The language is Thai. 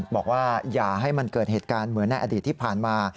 บอกว่าอย่าให้มันเกิดเหตุการณ์เหมือนในอดีตที่ผ่านมา